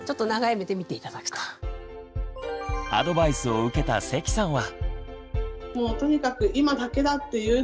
アドバイスを受けた関さんは。